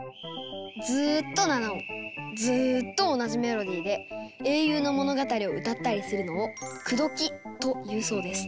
ずっと７音ずっと同じメロディーで英雄の物語を歌ったりするのを「くどき」というそうです。